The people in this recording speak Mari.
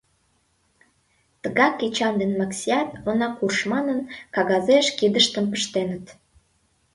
Тыгак Эчан ден Максиат, «Она курж» манын, кагазеш кидыштым пыштеныт.